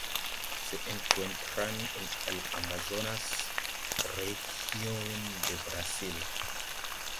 Se encuentran en el Amazonas región de Brasil.